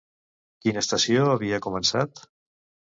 Quina estació havia començat?